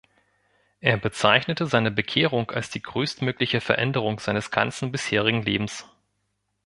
Er bezeichnete seine Bekehrung als die größtmögliche Veränderung seines ganzen bisherigen Lebens.